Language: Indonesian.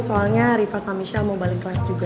soalnya riva sama michelle mau balik kelas juga